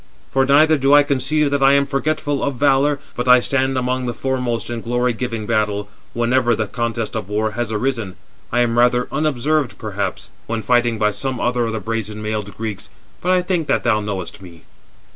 For neither do I conceive that I am forgetful of valour, but I stand among the foremost in glory giving battle, whenever the contest of war has arisen. I am rather unobserved perhaps, when fighting by some other of the brazen mailed Greeks; but I think that thou knowest me."